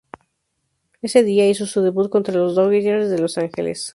Ese día, hizo su debut contra los "Dodgers de Los Angeles".